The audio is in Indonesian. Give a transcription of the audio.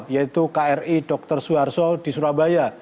yaitu kri dr suharto di surabaya